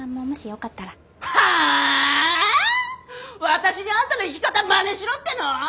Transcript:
私にあんたの生き方まねしろっていうの！？